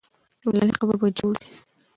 د ملالۍ قبر به جوړ سي.